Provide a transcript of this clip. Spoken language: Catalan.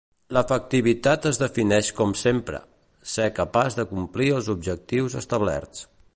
L'efectivitat es defineix com sempre: ser capaç de complir els objectius establerts.